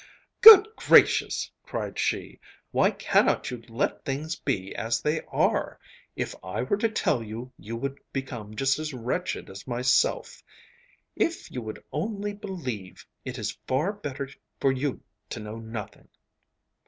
'Good gracious!' cried she, 'why cannot you let things be as they are? If I were to tell you, you would become just as wretched as myself. If you would only believe, it is far better for you to know nothing.